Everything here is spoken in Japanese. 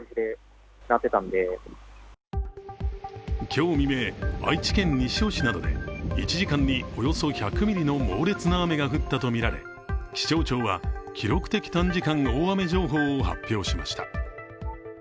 今日未明、愛知県西尾市などで１時間におよそ１００ミリの猛烈な雨が降ったとみられ気象庁は記録的短時間大雨情報を発表しました。